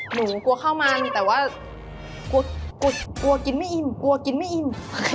หนูกลัวข้าวมันแต่ว่ากลัวกลัวกลัวกินไม่อิ่ม